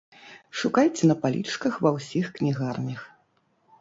Шукайце на палічках ва ўсіх кнігарнях!